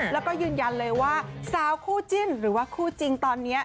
แล้วก็ยืนยันเลยว่าสาวคู่จิ้นหรือว่าคู่จริงตอนนี้